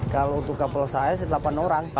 kalau untuk kapal saya delapan orang